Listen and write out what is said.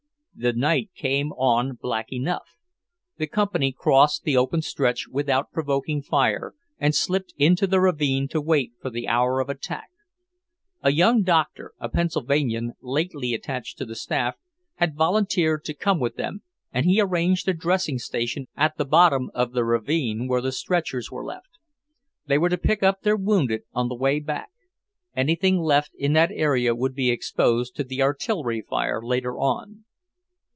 The night came on black enough. The Company crossed the open stretch without provoking fire, and slipped into the ravine to wait for the hour of attack, A young doctor, a Pennsylvanian, lately attached to the staff, had volunteered to come with them, and he arranged a dressing station at the bottom of the ravine, where the stretchers were left. They were to pick up their wounded on the way back. Anything left in that area would be exposed to the artillery fire later on.